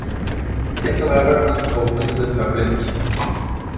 It is however not open to the public.